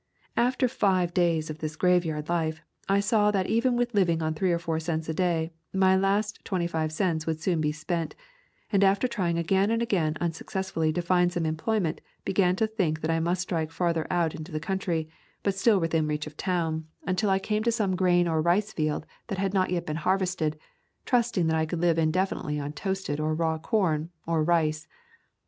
After five days of this graveyard life I saw that even with living on three or four cents a day my last twenty five cents would soon be spent, and after trying again and again unsuc cessfully to find some employment began to think that I must strike farther out into the country, but still within reach of town, until [ 78 ] Camping among the Tombs I came to some grain or rice field that had not yet been harvested, trusting that I could live indefinitely on toasted or raw corn, or rice.